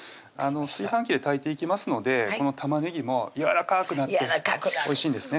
炊飯器で炊いていきますのでこの玉ねぎもやわらかくなっておいしいんですね